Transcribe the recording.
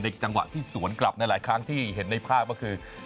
จังหวะที่สวนกลับในหลายครั้งที่เห็นในภาพก็คือ